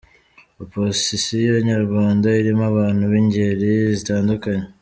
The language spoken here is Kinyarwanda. Oposisiyo nyarwanda irimo abantu bingeri zitandukanye.